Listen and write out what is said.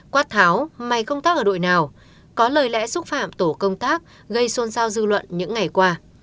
quát tháo may công tác ở đội nào có lời lẽ xúc phạm tổ công tác gây xôn xao dư luận những ngày qua